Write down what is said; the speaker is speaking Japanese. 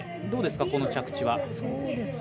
どうですか、この着地は。